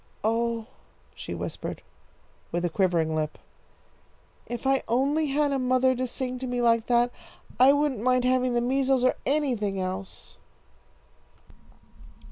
"Oh," she whispered, with a quivering lip, "if I only had a mother to sing to me like that, I wouldn't mind having the measles or anything else!"